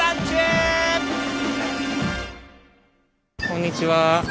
こんにちは。